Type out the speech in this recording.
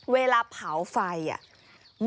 เวลาเผาไฟมันจะทำให้ข้าวหลามมีความหอม